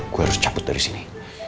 gue harus cabut dari sini